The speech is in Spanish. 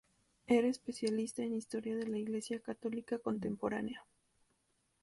Era especialista en historia de la Iglesia Católica contemporánea.